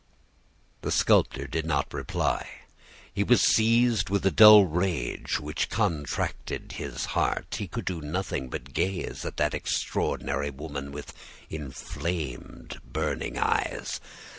"The sculptor did not reply. He was seized with a dull rage which contracted his heart. He could do nothing but gaze at that extraordinary woman, with inflamed, burning eyes.